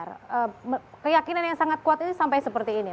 mereka meyakini bahwa keyakinan yang sangat kuat ini sampai seperti ini